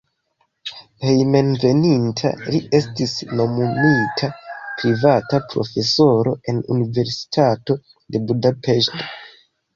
Hejmenveninta li estis nomumita privata profesoro en Universitato de Budapeŝto.